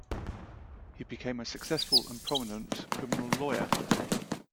He became a successful and prominent criminal lawyer.